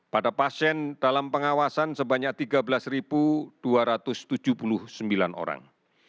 pada pasien dalam pengawasan sebanyak tiga belas dua ratus tujuh puluh sembilan orang